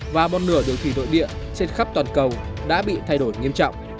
và một nửa đường thủy nội địa trên khắp toàn cầu đã bị thay đổi nghiêm trọng